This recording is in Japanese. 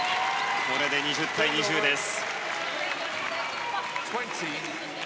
これで２０対２０です。